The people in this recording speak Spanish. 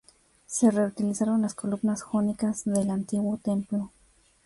Se reutilizaron las columnas jónicas del antiguo templo.